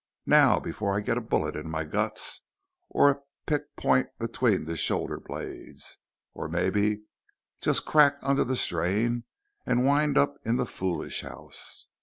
_Now, before I get a bullet in the guts or a pick point between the shoulder blades, or maybe just crack under the strain and wind up in the foolish house....